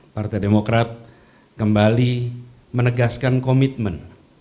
partai demokrat kembali menegaskan komitmen